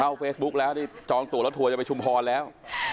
เข้าเฟซบุ๊กแล้วนี่จองตั๋วแล้วถั่วจะไปชุมพรแล้ว